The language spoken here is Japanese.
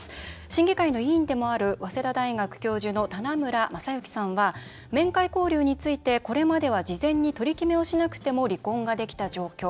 審議会の委員でもある早稲田大学教授の棚村政行さんは「面会交流についてこれまでは事前に取り決めをしなくても離婚ができた状況。